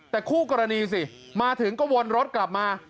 แต่คู่กรณีสิมาถึงก็วนรถกลับมา